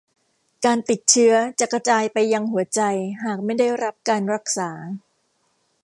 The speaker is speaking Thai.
การติดเชื้อจะกระจายไปยังหัวใจหากไม่ได้รับการรักษา